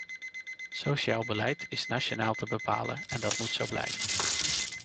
Sociaal beleid is nationaal te bepalen en dat moet zo blijven.